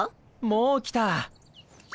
もう来た。